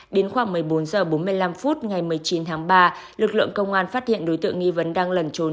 đến khoảng một mươi bốn h bốn mươi năm phút ngày một mươi chín tháng ba lực lượng công an phát hiện đối tượng nghi vấn đang lẩn trốn